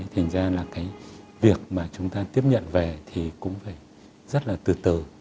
thành ra là cái việc mà chúng ta tiếp nhận về thì cũng phải rất là từ từ